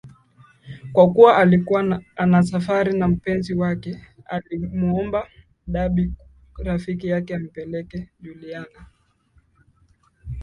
Kwa kuwa alikuwa ana safari na mpenzi wake alimuomba Debby Rafiki yake ampeleke Juliana